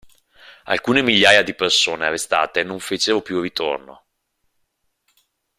Alcune migliaia di persone arrestate non fecero più ritorno.